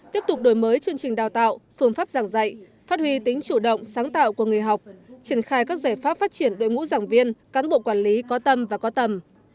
tiếp tục đổi mới chương trình đào tạo phương pháp giảng dạy phát huy tính chủ động sáng tạo của người học triển khai các giải pháp phát triển đội ngũ giảng viên cán bộ quản lý có tâm và có tầm